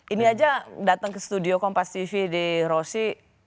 ini aja datang ke studio kompas tv di rossi